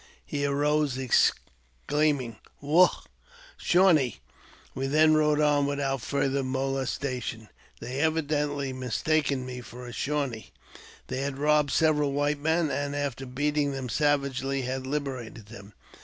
He arose, exclaiming, "Wugh! Shawnee!" We then rode on without further molestation, they evidently mistaking me I 378 AUTOBIOGBAPHY OF for a Shawnee. They had robbed several white men, and,, after beating them savagely, had liberated them.